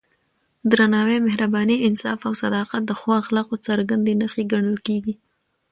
درناوی، مهرباني، انصاف او صداقت د ښو اخلاقو څرګندې نښې ګڼل کېږي.